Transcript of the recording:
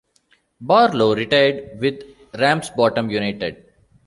Barlow retired with Ramsbottom United.